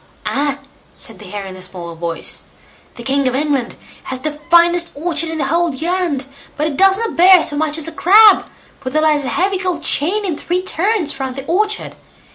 "Ah!" said the Hare in a small voice; "the king of England has the finest orchard in the whole land, but it does not bear so much as a crab, for there lies a heavy gold chain in three turns round the orchard.